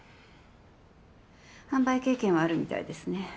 販売経験はあるみたいですね。